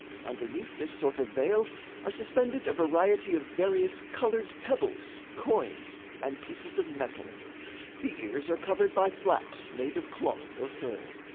Underneath this sort of veil are suspended a variety of various colored pebbles, coins and pieces of metal. The ears are covered by flaps made of cloth or fur.